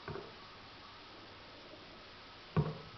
Cheers হয়ে যাক তাহলে!